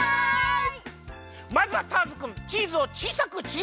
まずはターズくんチーズをちいさくちぎってください。